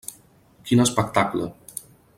Quin espectacle!